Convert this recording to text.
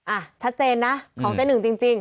อ่ะชัดเจนนะของเจ๊หนึ่งจริง